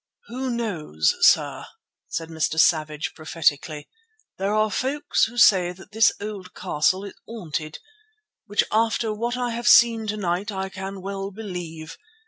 "Who knows, sir?" said Mr. Savage prophetically. "There are folk who say that this old castle is haunted, which after what I have seen to night I can well believe.